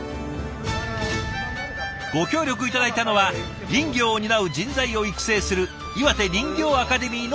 ご協力頂いたのは林業を担う人材を育成するいわて林業アカデミーの皆さん。